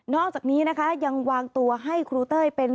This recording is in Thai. อกจากนี้นะคะยังวางตัวให้ครูเต้ยเป็น